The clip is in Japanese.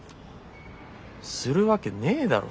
するわけねえだろ